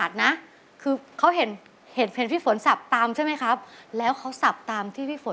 อันนี้ควันเพศเนี๊ยมนั่งข้างนี้เขาก็ปล้มได้